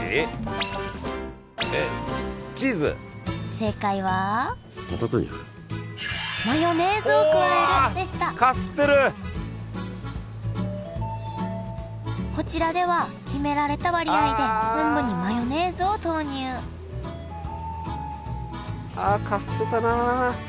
正解はこちらでは決められた割合で昆布にマヨネーズを投入あかすってたな。